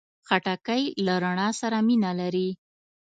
خټکی له رڼا سره مینه لري.